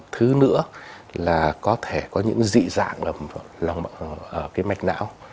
thứ nữa là có thể có những dị dạng là cái mạch não